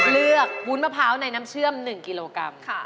วุ้นมะพร้าวในน้ำเชื่อม๑กิโลกรัม